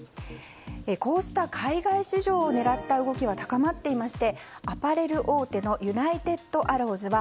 こうした海外市場を狙った動きは高まっていましてアパレル大手のユナイテッドアローズは